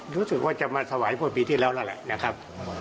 รู้สึกว่าจะมาถวายเมื่อปีที่แล้วแล้วแหละนะครับ